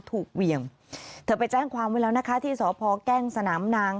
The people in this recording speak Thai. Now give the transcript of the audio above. เวียงเธอไปแจ้งความไว้แล้วนะคะที่สพแก้งสนามนาง